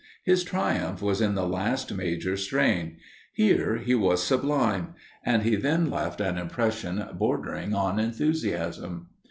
His triumph was in the last major strain; here he was sublime and he then left an impression bordering on enthusiasm.